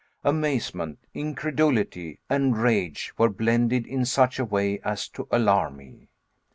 Amazement, incredulity, and rage were blended in such a way as to alarm me.